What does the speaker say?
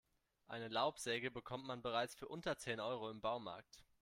Eine Laubsäge bekommt man bereits für unter zehn Euro im Baumarkt.